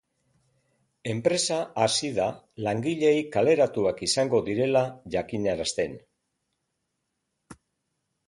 Enpresa hasi da langileei kaleratuak izango direla jakinarazten.